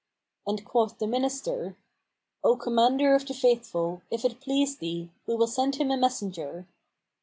And quoth the Minister, "O Commander of the Faithful, if it please thee, we will send him a messenger.